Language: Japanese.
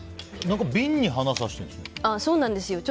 瓶に花さしてるんですね。